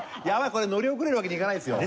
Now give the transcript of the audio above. これ乗り遅れるわけにはいかないですよ。